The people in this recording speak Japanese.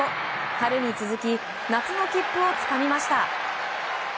春に続き、夏の切符をつかみました。